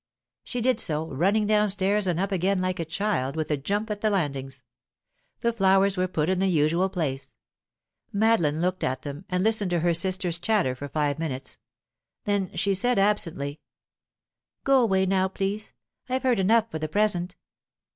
She did so, running downstairs and up again like a child, with a jump at the landings. The flowers were put in the usual place. Madeline looked at them, and listened to her sister's chatter for five minutes. Then she said absently: "Go away now, please. I've heard enough for the present."